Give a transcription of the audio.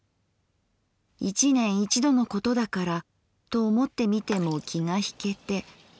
一年一度のことだからと思ってみても気がひけて。